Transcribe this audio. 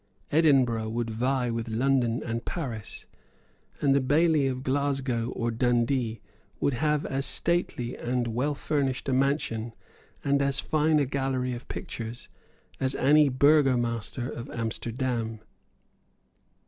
Edinburgh would vie with London and Paris; and the baillie of Glasgow or Dundee would have as stately and well furnished a mansion, and as fine a gallery of pictures, as any burgomaster of Amsterdam.